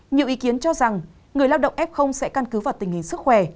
nhiều ý kiến cho rằng người lao động f sẽ căn cứ vào tình hình sức khỏe